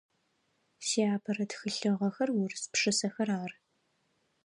Сиапэрэ тхылъыгъэхэр урыс пшысэхэр ары.